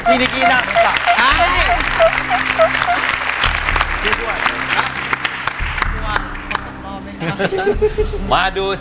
พี่กลุ่มีความสุข